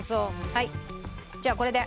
はいじゃあこれで。